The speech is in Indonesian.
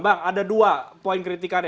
bang ada dua poin kritikannya